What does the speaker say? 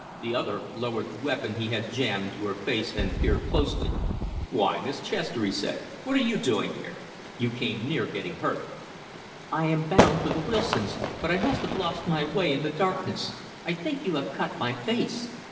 The other lowered the weapon he had jammed to her face and peered closely. "Why, Miss Chester," he said. "What are you doing here? You came near getting hurt." "I am bound for the Wilsons', but I must have lost my way in the darkness. I think you have cut my face."